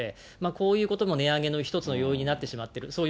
こういうことも値上げの一つの要因になってしまっている。